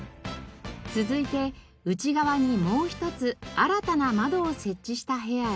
続いて内側にもう一つ新たな窓を設置した部屋へ。